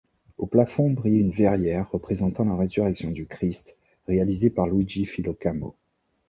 Au plafond brille une verrière représentant la résurrection du Christ réalisée par Luigi Filocamo.